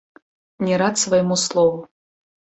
Не рад свайму слову.